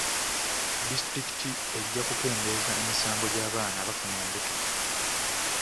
Disitulikiti ejja kukendeeza emisango gy'abaana abafuna embuto.